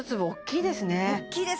大きいですね